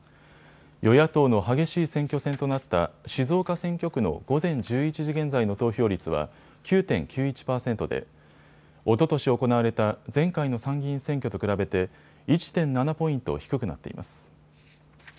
与野党の激しい選挙戦となった静岡選挙区の午前１１時現在の投票率は９．９１％でおととし行われた前回の参議院選挙と比べて１．７ポイント低くなっています。